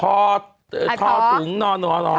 ทอทอถุงนอนนอน